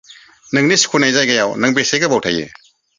नोंनि सुखुनाय जायगायाव नों बेसे गोबाव थायो?